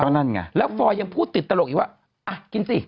กันชาอยู่ในนี้